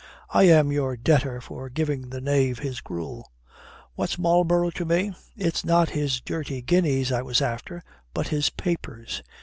I am your debtor for giving the knave his gruel. What's Marlborough to me? It's not his dirty guineas I was after, but his papers.